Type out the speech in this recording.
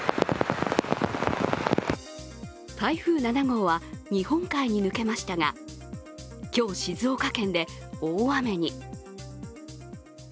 台風７号は日本海に抜けましたが今日、静岡県で大雨に。